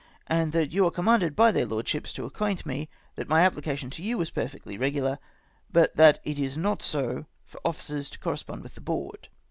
and that you are commanded by their Lordships to acquaint me that my application to you was perfectly regular, but that it is not so for officers to correspond with the Board.